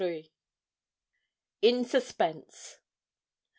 IN SUSPENSE.